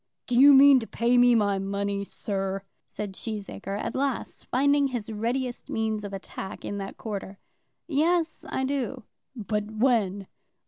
"Do you mean to pay me my money, sir?" said Cheesacre, at last, finding his readiest means of attack in that quarter. "Yes, I do." "But when?"